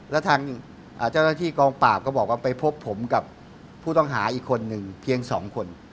แล้วทางเจ้าหน้าที่กองปราบก็บอกว่าไปพบผมกับผู้ต้องหาอีกคนนึงเพียง๒คน